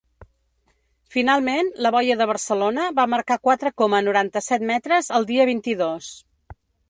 Finalment, la boia de Barcelona va marcar quatre coma noranta-set metres el dia vint-i-dos.